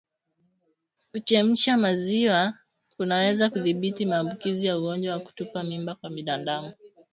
Kuchemsha maziwa kunaweza kudhibiti maambukizi ya ugonjwa wa kutupa mimba kwa binadamu